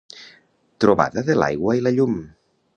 Trobada de l’aigua i la llum.